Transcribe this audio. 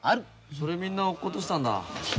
それみんな落っことしたんだわ。